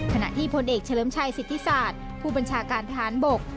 ขณะที่พลเอกเฉลิมชัยสิทธิศาสตร์ผู้บัญชาการทหารบก